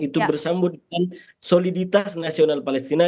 itu bersambut dengan soliditas nasional palestina